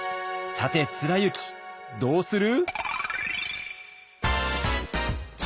さて貫之どうする？